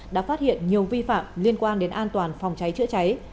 đã phát hiện nhiều vi phạm liên quan đến an toàn phòng cháy chữa cháy